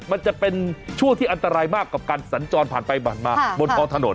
มันจะเป็นช่วงที่อันตรายมากกับการสัญจรผ่านไปผ่านมาบนท้องถนน